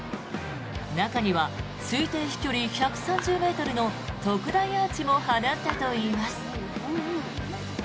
中には推定飛距離１３０ｍの特大アーチも放ったといいます。